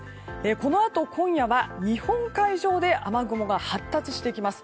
このあと、今夜は日本海上で雨雲が発達してきます。